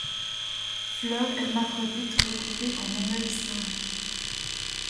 Fleurs hermaphrodites regroupées en ombelle simple.